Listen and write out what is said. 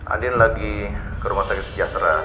andin lagi ke rumah sakit sejahtera